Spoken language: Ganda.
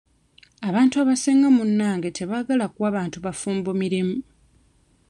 Abantu abasinga munnange tebaagala kuwa bantu bafumbo mirimu.